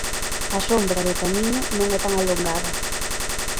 A sombra do Camiño non é tan alongada.